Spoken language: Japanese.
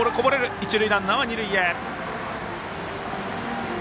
一塁ランナー、二塁へ。